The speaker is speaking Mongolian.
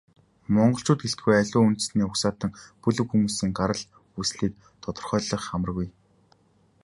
Монголчууд гэлтгүй, аливаа үндэстэн угсаатан, бүлэг хүмүүсийн гарал үүслийг тодорхойлох амаргүй.